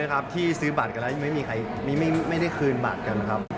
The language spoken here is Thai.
ครับที่ซื้อบัตรกันแล้วยังไม่ได้ขึนบัตรกันนะครับ